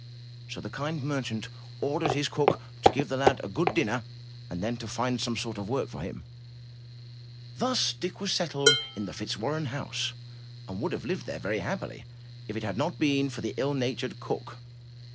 So the kmd merchant ordered his cook to give the lad a good dinner, and then to find some sort of work for him. Thus Dick was settled in the Fitzwarren house and would have lived there very happily if it had not been for the ill natured cook.